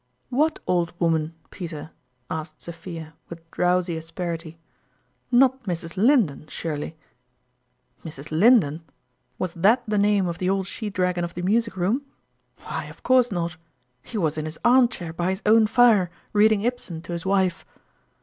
..." What old woman, Peter ?" asked Sophia whith drowsy asperity. "Not Mrs. Linden, surely !" Mrs. Linden! "Was that the name of the old she dragon of the music room ? Why, of course not; he was in his arm chair by his own fire, reading Ibsen to his wife